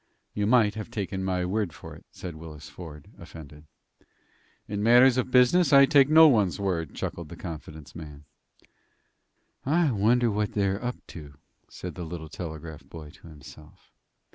"You might have taken my word for it," said Willis Ford, offended. "In matters of business I take no one's word," chuckled the confidence man. "I wonder what they're up to," said the little telegraph boy to himself.